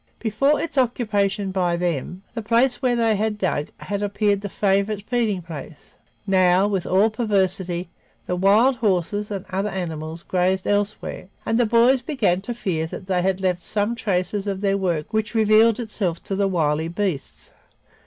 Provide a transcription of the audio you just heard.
Before its occupation by them, the place where they had dug had appeared the favorite feeding place; now, with all perversity, the wild horses and other animals grazed elsewhere, and the boys began to fear that they had left some traces of their work which revealed it to the wily beasts.